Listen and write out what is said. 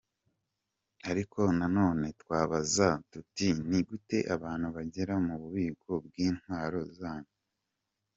Ariko na none twababaza, … tuti ni gute abantu bagera mu bubiko bw’intwaro zanyu ?”